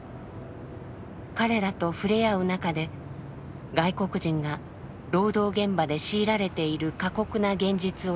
彼らとふれあう中で外国人が労働現場で強いられている過酷な現実を知ります。